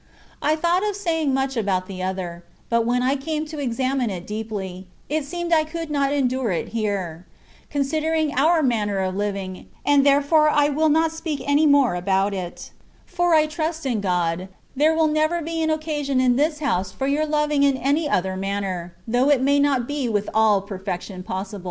I thought of saying much about the other ; but when I came to examine it deeply,* it seemed I could not endure it here, considering our manner of living, and therefore I will not speak any more about it ; for I trust in God, there will never be any occasion in this house for your loving in any other manner, though it may not be with all perfection possible.